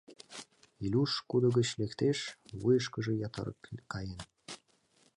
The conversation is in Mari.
Илюш кудо гыч лектеш, вуйышкыжо ятырак каен.